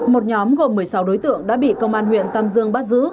một nhóm gồm một mươi sáu đối tượng đã bị công an huyện tam dương bắt giữ